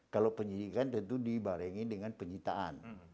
kalau penyidikan tentu dibarengin dengan penyitaan